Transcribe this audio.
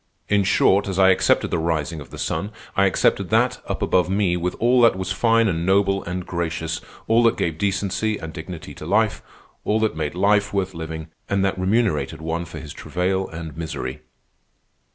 In short, as I accepted the rising of the sun, I accepted that up above me was all that was fine and noble and gracious, all that gave decency and dignity to life, all that made life worth living and that remunerated one for his travail and misery."